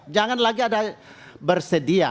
jangan lagi ada bersedia